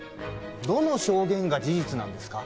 どの証言が事実なんですか？